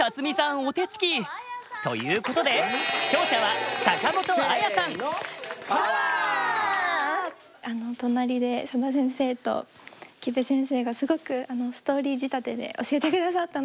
お手つき。ということで隣で佐田先生と木部先生がすごくストーリー仕立てで教えて下さったので。